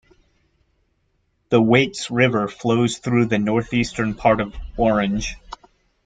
The Waits River flows through the northeastern part of Orange.